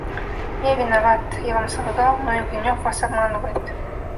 – Я виноват, я вам солгал; но и Гринев вас обманывает.